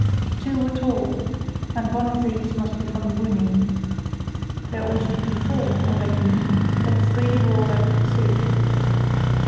Two were tall, and one of these must be von Brüning. There ought to be four, I reckoned; but three were all I could see.